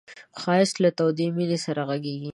ښایست له تودې مینې سره غږېږي